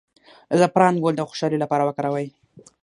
د زعفران ګل د خوشحالۍ لپاره وکاروئ